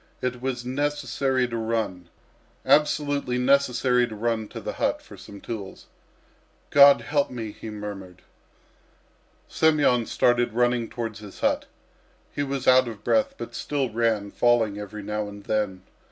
It was necessary to run, absolutely necessary to run to the hut for some tools. "God help me!" he murmured. Semyon started running towards his hut. He was out of breath, but still ran, falling every now and then.